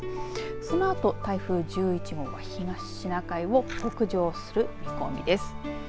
そのあと台風１１号は東シナ海を北上する見込みです。